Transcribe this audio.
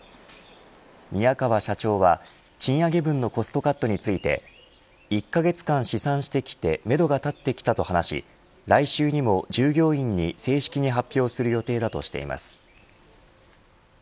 宮川社長は賃上げ分のコストカットについて１カ月間試算してきてめどが立ってきたと話し来週にも、従業員に正式に発表する予定だとしています。